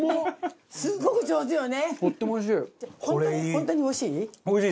本当においしい？